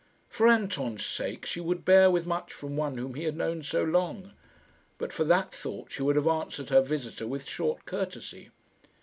For Anton's sake she would bear with much from one whom he had known so long. But for that thought she would have answered her visitor with short courtesy.